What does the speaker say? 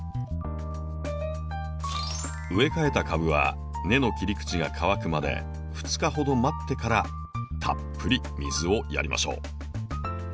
植え替えた株は根の切り口が乾くまで２日ほど待ってからたっぷり水をやりましょう。